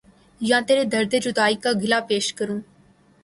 یا ترے درد جدائی کا گلا پیش کروں